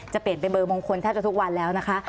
จะเปลี่ยนเป็นเบอร์มงคลแทบจะทุกวันแล้วนะคะ